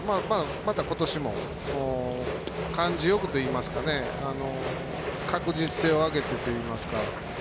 またことしも感じよくといいますか確実性を上げてといいますか。